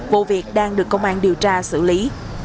vụ việc đang được công an điều tra xử lý